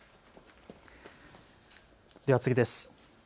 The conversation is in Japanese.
では次です。